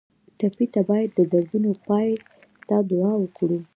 ټپي ته باید د دردونو پای ته دعا وکړو.